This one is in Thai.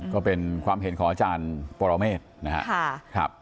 ก็เป็นความเห็นของอาจารย์ปรเมฆนะครับ